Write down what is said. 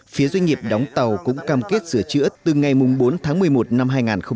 phía doanh nghiệp đóng tàu cũng cam kết sửa chữa từ ngày bốn tháng một mươi một năm hai nghìn hai mươi